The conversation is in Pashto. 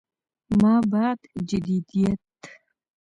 ما بعد جديديت